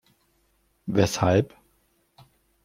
Weshalb?